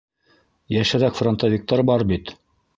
Йәшерәк фронтовиктар бар бит.